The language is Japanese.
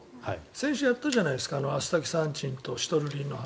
先週やったじゃないですかアスタキサンチンとシトルリンの話。